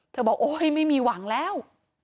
บอกโอ๊ยไม่มีหวังแล้ว